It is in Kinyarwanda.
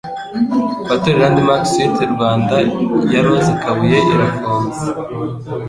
Hoteli Landmark Suites Rwanda ya Rose Kabuye irafunze